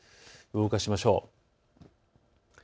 動かしましょう。